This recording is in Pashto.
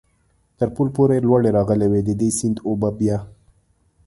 تر پل پورې لوړې راغلې وې، د دې سیند اوبه بیا.